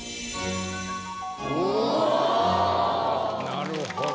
なるほど。